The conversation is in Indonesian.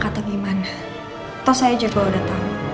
atau saya juga udah tau